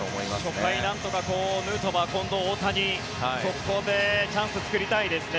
初回なんとかヌートバー、大谷ここでチャンスを作りたいですね。